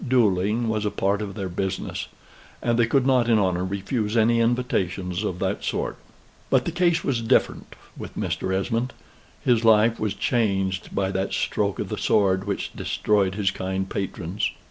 Duelling was a part of their business; and they could not in honor refuse any invitations of that sort. But the case was different with Mr. Esmond. His life was changed by that stroke of the sword which destroyed his kind patron's.